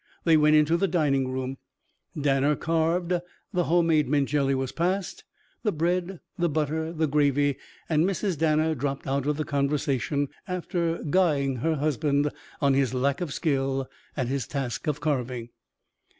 They went into the dining room. Danner carved, the home made mint jelly was passed, the bread, the butter, the gravy; and Mrs. Danner dropped out of the conversation, after guying her husband on his lack of skill at his task of carving.